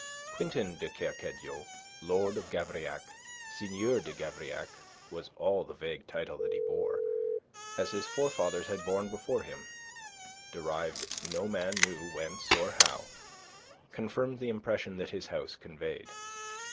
Quintin de Kercadiou, Lord of Gavrillac Seigneur de Gavrillac was all the vague title that he bore, as his forefathers had borne before him, derived no man knew whence or how confirmed the impression that his house conveyed.